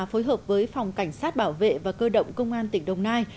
phối hợp với phòng cảnh sát bảo vệ và cơ động công an tỉnh đồng nai